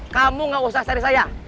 kamu gak usah cari sayang